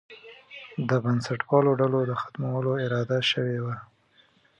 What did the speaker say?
د بنسټپالو ډلو د ختمولو اراده شوې وه.